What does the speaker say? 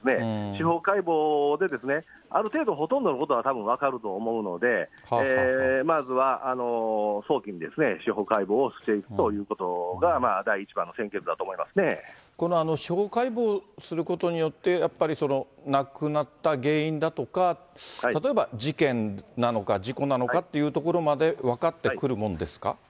司法解剖で、ある程度、ほとんどのことはたぶん分かると思うので、まずは早期に司法解剖を行くということが第一番の先決だと思いまこの司法解剖することによって、やっぱり亡くなった原因だとか、例えば事件なのか、事故なのかっていうところまで分かってくるもんですか？